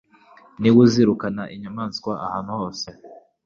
Niwe uzirukana inyamaswa ahantu hose